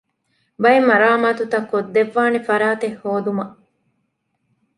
ބައެއް މަރާމާތުތައް ކޮށްދެއްވާނެ ފަރާތެއް ހޯދުމަށް